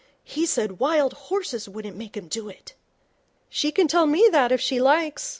He said wild horses wouldn't make him do it.' 'She can tell me that if she likes.